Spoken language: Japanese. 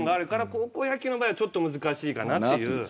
高校野球の場合はちょっと難しいかなっていう。